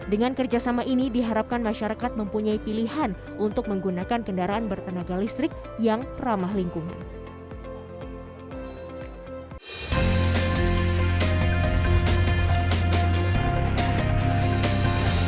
dengan kerjasama ini diharapkan masyarakat mempunyai pilihan untuk menggunakan kendaraan bertenaga listrik yang ramah lingkungan